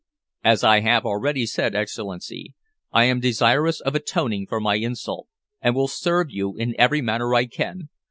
"As I have already said, Excellency, I am desirous of atoning for my insult, and will serve you in every manner I can.